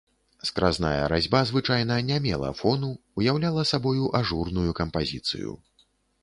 Скразная разьба звычайна не мела фону, уяўляла сабою ажурную кампазіцыю.